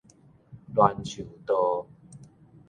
欒樹道